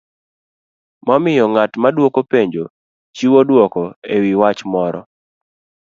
mamiyo ng'at maduoko penjo chiwo dwoko e wi wach moro.